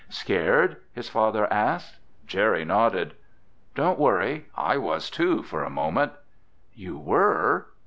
"Scared?" his father asked. Jerry nodded. "Don't worry. I was too for a moment." "You were?"